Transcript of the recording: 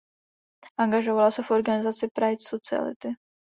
Angažovala se v organizaci Pride Solidarity.